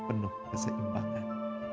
dan penuh keseimbangan